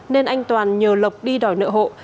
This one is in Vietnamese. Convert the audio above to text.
nên anh toàn nhờ lộc đi đòi nợ hộ